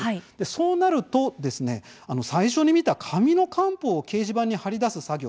そうなると最初に見た紙の官報を掲示板に貼り出す作業